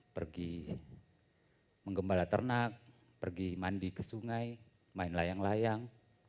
pergi menggembala ternak pergi mandi ke sungai main layang layang